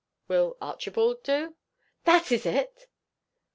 "Will Archibald do?" "That is it!"